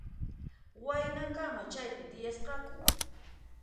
Waynakama chaypi tiyasqaku.